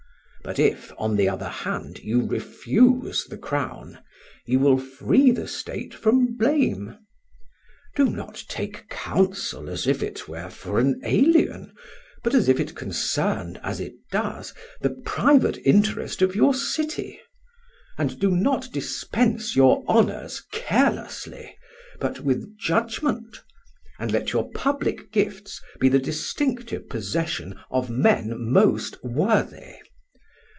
But if, on the other hand, you refuse the crown, you will free the State from blame. Do not take counsel as if it were for an alien, but as if it concerned, as it does, the private interest of your city; and do not dispense your honors carelessly, but with judgment; and let your public gifts be the distinctive possession of men most worthy.